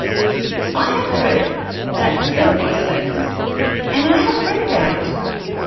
I have heard that said by sailors, and I have read about it.